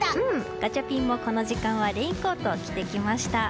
ガチャピンもこの時間はレインコートを着てきました。